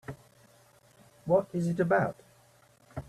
What is it about?